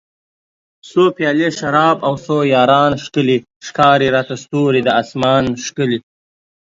څو پیالۍ شراب او څو یاران ښکلي ښکاري راته ستوري د اسمان ښکلي